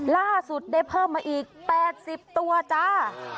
ล่าสุดได้เพิ่มมาอีก๘๐ตัวจ้า